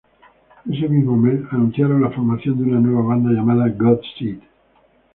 Ese mismo mes anunciaron la formación de una nueva banda, llamada God Seed.